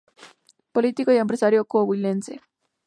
Político y empresario coahuilense.